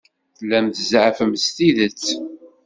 Tellam tzeɛfem s tidet?